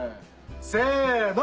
せの。